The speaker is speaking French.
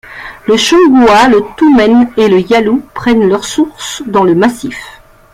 Le Songhua, le Tumen et le Yalou prennent leur source dans le massif.